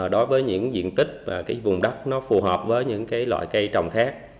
đối với những diện tích và cái vùng đất nó phù hợp với những cái loại cây trồng khác